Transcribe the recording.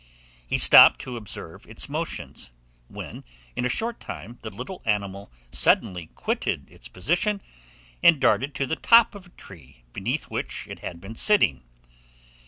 He stopped to observe its motions, when, in a short time, the little animal suddenly quitted its position, and darted to the top of the tree beneath which it had been sitting.